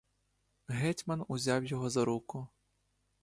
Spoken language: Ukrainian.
Гетьман узяв його за руку.